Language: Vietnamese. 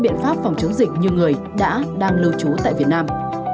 biện pháp phòng chống dịch như người đã đang lưu trú tại việt nam